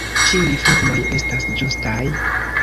Ĉiuj formoj estas ĝustaj.